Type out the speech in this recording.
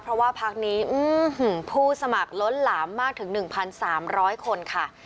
เพราะว่าพักนี้ผู้สมัครล้นหลามมากถึง๑๓๐๐คนค่ะ